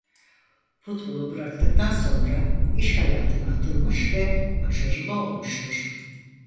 Futbolu bıraktıkdan sonra iş hayatına atılmış ve başarılı olmuştur.